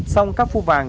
sau các phu vàng